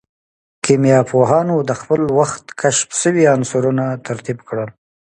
کيميا پوهانو د خپل وخت کشف سوي عنصرونه ترتيب کړل.